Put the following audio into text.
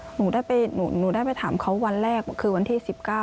หนูได้ไปถามเขาวันแรกคือวันที่๑๙